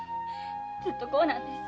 ずっとこうなんです。